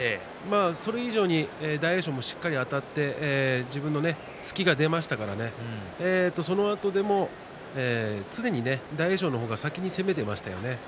それ以上に大栄翔もしっかりあたって自分の突きが出ましたからそのあとでも常に大栄翔の方が先に攻めていきましたよね。